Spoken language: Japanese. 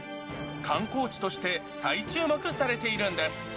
観光地として再注目されているんです。